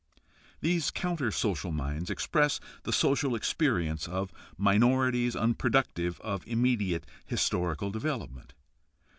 These counter social minds express the social experience of minorities unproductive of immediate historical develop ment.